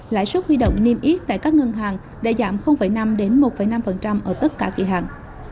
lãi suất huy động niêm yết tại các ngân hàng đã giảm năm một năm ở tất cả kỳ hạn